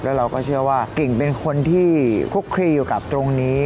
แล้วเราก็เชื่อว่ากิ่งเป็นคนที่คุกคลีอยู่กับตรงนี้